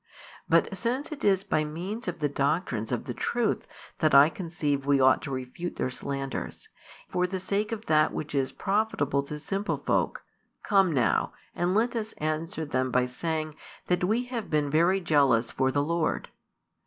But since it is by means of the doctrines of the truth that I conceive we ought to refute their slanders, for the sake of that which is profitable to simple folk, come now, and let us answer them by saying that we have been very jealous for the Lord.